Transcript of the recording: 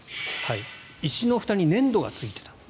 石のふたに粘土がついていた。